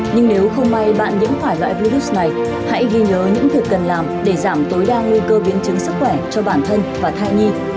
nhưng nếu không may bạn những phải loại virus này hãy ghi nhớ những việc cần làm để giảm tối đa nguy cơ biến chứng sức khỏe cho bản thân và thai nhi